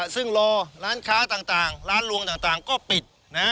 ซึ่งรอร้านค้าต่างร้านลวงต่างก็ปิด